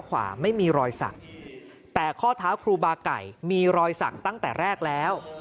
ขวาไม่มีรอยสักแต่ข้อเท้าครูบาไก่มีรอยสักตั้งแต่แรกแล้ว